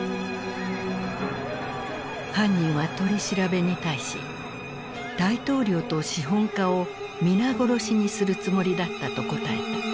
犯人は取り調べに対し「大統領と資本家を皆殺しにするつもりだった」と答えた。